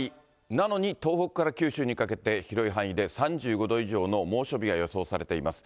なのに東北から九州にかけて、広い範囲で３５度以上の猛暑日が予想されています。